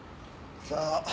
さあ。